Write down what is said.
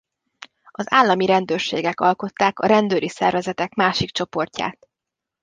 Az állami rendőrségek alkották a rendőri szervezetek másik csoportját.